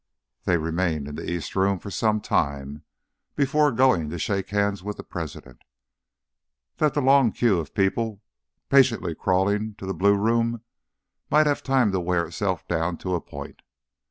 They remained in the East Room for some time before going to shake hands with the President, that the long queue of people patiently crawling to the Blue Room might have time to wear itself down to a point.